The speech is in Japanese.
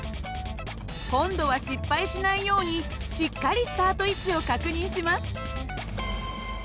今度は失敗しないようにしっかりスタート位置を確認します。